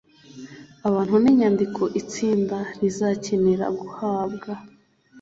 abantu n inyandiko itsinda rizakenera guhabwa